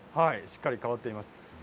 しっかり変わっています。